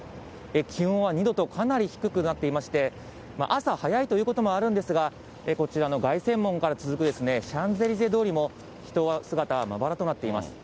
気温は２度とかなり低くなっていまして、朝早いということもあるんですが、こちらの凱旋門から続くシャンゼリゼ通りも、人の姿はまばらとなっています。